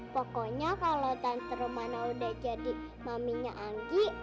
pokoknya kalo tante rumana udah jadi maminya anggi